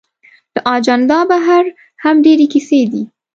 له اجنډا بهر هم ډېرې کیسې دي.